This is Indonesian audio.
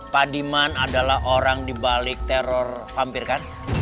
pak diman adalah orang dibalik teror vampir kan